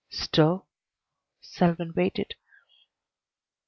"Still ?" Selwyn waited.